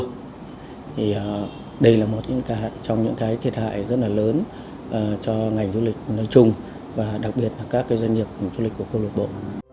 thì đây là một trong những cái thiệt hại rất là lớn cho ngành du lịch nói chung và đặc biệt là các cái doanh nghiệp du lịch của câu lục bộ